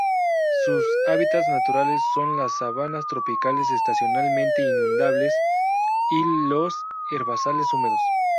Sus hábitats naturales son las sabanas tropicales estacionalmente inundables y los herbazales húmedos.